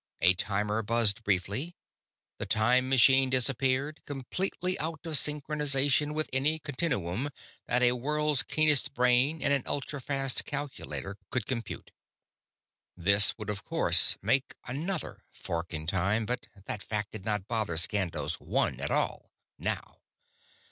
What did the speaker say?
A timer buzzed briefly. The time machine disappeared; completely out of synchronization with any continuum that a world's keenest brain and an ultra fast calculator could compute._ _This would of course make another fork in time, but that fact did not bother Skandos One at all now.